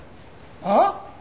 ああ？